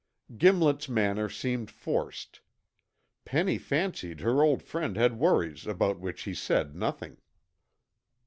Gimlet's manner seemed forced. Penny fancied her old friend had worries about which he said nothing.